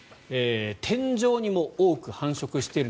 天井にも多く繁殖している。